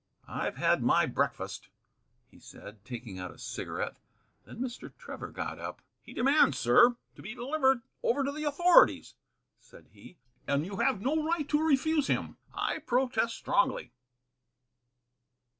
"I've had my breakfast," he said, taking out a cigarette. Then Mr. Trevor got up. "He demands, sir, to be delivered over to the authorities," said he, "and you have no right to refuse him. I protest strongly."